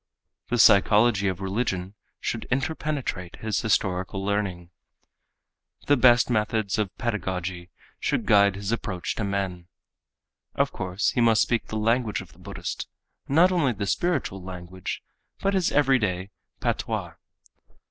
The psychology of religion should interpenetrate his historical learning; the best methods of pedagogy should guide his approach to men. Of course he must speak the language of the Buddhist, not only the spiritual language, but his everyday patois.